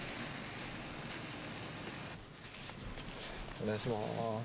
お願いします。